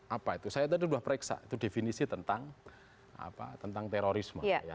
apa itu saya tadi sudah periksa itu definisi tentang terorisme